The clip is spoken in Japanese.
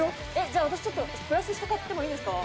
じゃあ私プラスして買ってもいいですか？